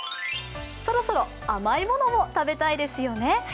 そろそろ甘いものも食べたいですよね。